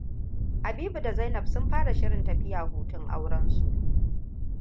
Habibu da Zainab sun fara shirin tafiya hutun aurensu.